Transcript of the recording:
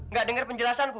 nggak dengar penjelasanku